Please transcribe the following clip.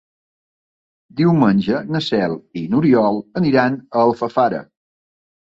Diumenge na Cel i n'Oriol aniran a Alfafara.